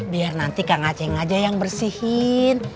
biar nanti kang aceh aja yang bersihin